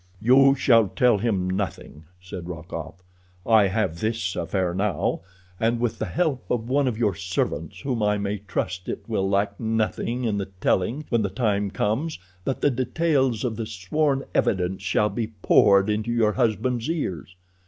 "You shall tell him nothing," said Rokoff. "I have this affair now, and with the help of one of your servants whom I may trust it will lack nothing in the telling when the time comes that the details of the sworn evidence shall be poured into your husband's ears.